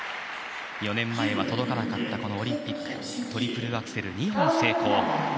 ４年前は届かなかったこのオリンピック、トリプルアクセル、２本成功。